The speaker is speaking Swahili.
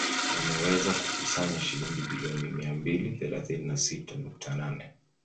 Wameweza kukusanya shilingi bilioni mia mbili thelathini na sita nukta nane